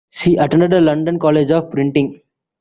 She attended the London College of Printing.